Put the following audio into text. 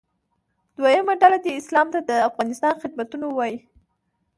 دویمه ډله دې اسلام ته د افغانستان خدمتونه ووایي.